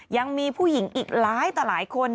ยังมีผู้หญิงอีกหลายต่อหลายคน